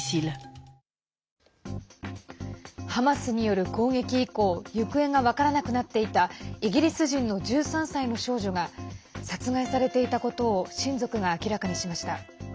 ハマスによる攻撃以降行方が分からなくなっていたイギリス人の１３歳の少女が殺害されていたことを親族が明らかにしました。